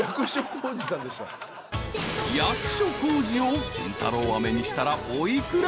［役所広司を金太郎飴にしたらお幾ら？］